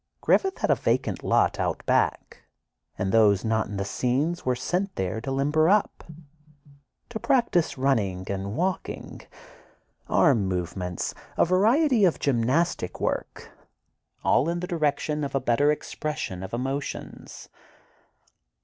Griffith had a vacant lot out back, and those not in the scenes were sent there to limber up—to practice running and walking, arm movements, a variety of gymnastic work, all in the direction of a better expression of emotions.